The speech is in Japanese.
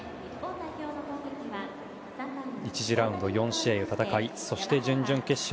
１次ラウンド４試合を戦いそして準々決勝。